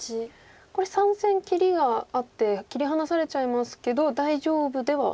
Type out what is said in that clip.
これ３線切りがあって切り離されちゃいますけど大丈夫ではあるんですね